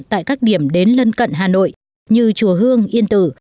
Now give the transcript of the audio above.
tại các điểm đến lân cận hà nội như chùa hương yên tử